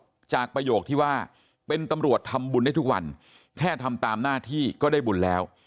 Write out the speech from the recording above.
เพราะจากประโยคที่ว่าเป็นตำรวจทำบุญได้ทุกวันแค่ทำตามหน้าที่ก็ได้บุญแล้ว